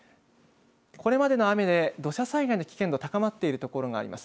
これまでの雨で、土砂災害の危険度高まっている所があります。